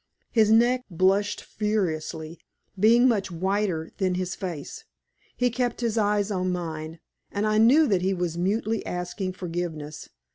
His neck blushed furiously, being much whiter than his face. He kept his eyes on mine, and I knew that he was mutely asking forgiveness.